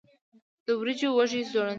د وریجو وږی ځوړند وي.